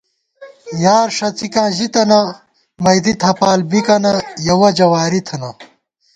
یار ݭَڅِکاں ژِی تنہ ، مئیدِی تھپال بِکَنہ یَہ وجہ واری تھنہ